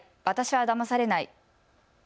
私はだまされない。